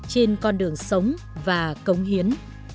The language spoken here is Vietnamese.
trên con đường sống và cống hiến